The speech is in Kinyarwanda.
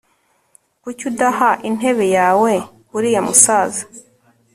Kuki udaha intebe yawe uriya musaza